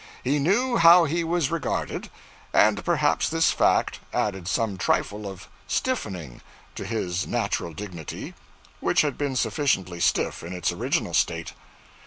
He knew how he was regarded, and perhaps this fact added some trifle of stiffening to his natural dignity, which had been sufficiently stiff in its original state.